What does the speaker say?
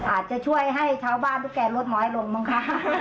อาจจะช่วยให้ชาวบ้านตุ๊กแก่ลดน้อยลงบ้างคะ